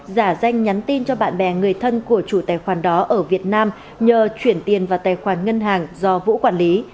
giả danh nhắn tin cho bạn bè người thân của chủ tài khoản đó ở việt nam nhờ chuyển tiền vào tài khoản ngân hàng do vũ quản lý